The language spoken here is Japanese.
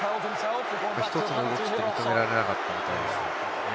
１つの動きって認められなかったので。